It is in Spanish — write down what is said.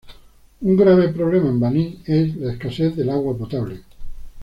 Un grave problema en Baní es la escasez del agua potable.